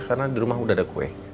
karena di rumah udah ada kue